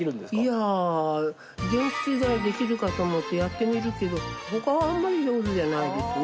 いや前屈以外できるかと思ってやってみるけど他はあんまり上手じゃないですね。